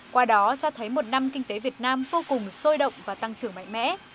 qua đó cho thấy một năm kinh tế việt nam vô cùng sôi động và tăng trưởng mạnh mẽ